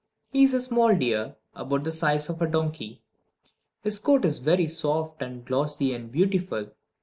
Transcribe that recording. He is a small deer, about the size of a donkey. His coat is very soft and glossy and beautiful.